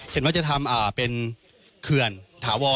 เห็นว่าจะทำเป็นเขื่อนถาวร